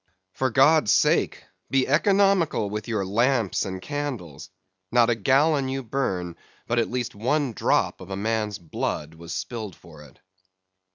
For God's sake, be economical with your lamps and candles! not a gallon you burn, but at least one drop of man's blood was spilled for it.